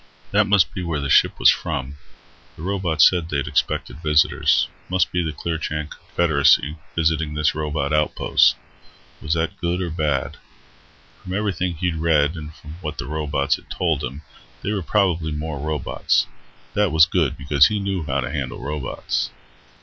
That must be where the ship was from. The robot said they'd expected visitors. Must be the Clearchan Confederacy visiting this robot outpost. Was that good or bad? From everything he'd read, and from what the robots had told him, they were probably more robots. That was good, because he knew how to handle robots.